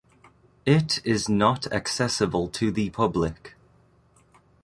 It is not accessible to the public.